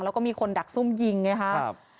แล้วก็มีคนดักซุ่มยิงไงครับ